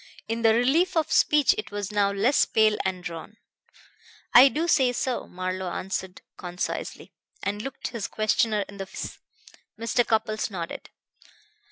In the relief of speech it was now less pale and drawn. "I do say so," Marlowe answered concisely, and looked his questioner in the face. Mr. Cupples nodded.